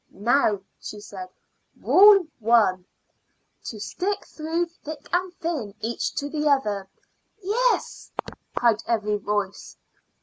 "Now," she said, "Rule One. To stick through thick and thin each to the other." "Yes!" cried every voice.